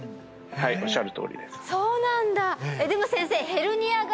はいおっしゃるとおりですそうなんだ！